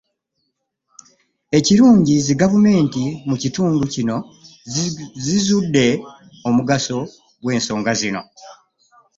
Ekirungi, zigavumenti mu kitundu kino zizudde omugaso gw’ensonga zino.